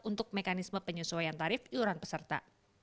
untuk mekanisme penyesuaian tarif iuran peserta